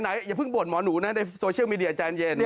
อย่าเพิ่งบ่นหมอหนูนะในโซเชียลมีเดียใจเย็น